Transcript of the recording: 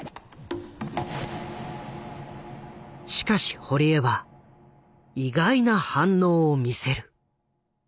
しかし堀江は意外な反応を見せる。